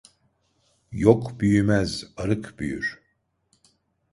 Yok büyümez, arık büyür.